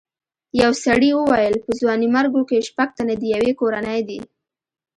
یو سړي وویل په ځوانیمرګو کې شپږ تنه د یوې کورنۍ دي.